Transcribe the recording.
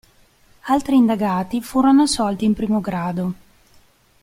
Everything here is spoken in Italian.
Altri indagati furono assolti in primo grado.